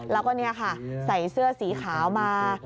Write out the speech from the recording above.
แล้วก็นี่ค่ะใส่เสื้อสีขาวมา